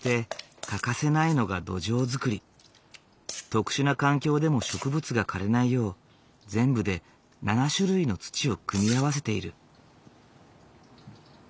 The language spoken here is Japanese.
特殊な環境でも植物が枯れないよう全部で７種類の土を組み合わせている。